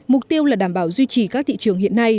mục tiêu là đảm bảo duy trì các thị trường hiện nay